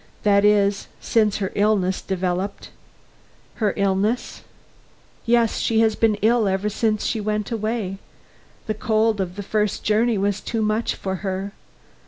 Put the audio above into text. "That is, since her illness developed." "Her illness?" "Yes, she has been ill ever since she went away. The cold of that first journey was too much for her.